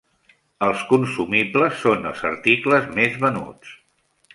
Els consumibles són els articles més venuts.